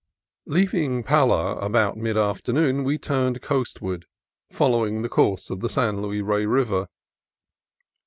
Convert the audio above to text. Leaving Pala about mid afternoon we turned coastward, following the course of the San Luis Rey River.